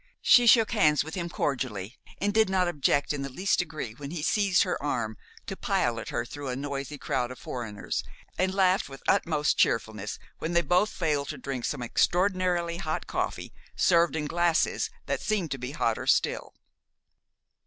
She shook hands with him cordially, did not object in the least degree when he seized her arm to pilot her through a noisy crowd of foreigners, and laughed with utmost cheerfulness when they both failed to drink some extraordinarily hot coffee served in glasses that seemed to be hotter still.